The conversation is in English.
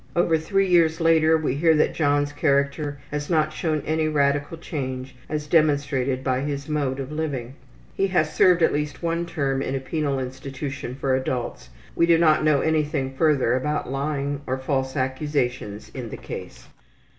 Over three years later we hear that John's character has not shown any radical change as demonstrated by his mode of living. He has served at least one term in a penal institution for adults. We do not know anything further about lying or false accusations in the case.